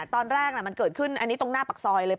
ตอนแรกมันเกิดขึ้นอันนี้ตรงหน้าปากซอยเลย